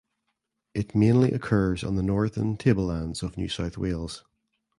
It mainly occurs on the Northern Tablelands of New South Wales.